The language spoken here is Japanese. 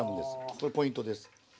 これポイントです。